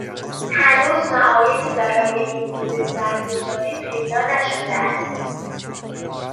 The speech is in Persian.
هنوز معایبی برای این مدل برگزاری پیدا نشده است